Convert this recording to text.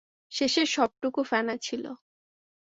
শেষেরটা সবটুকু ফেনা ছিল।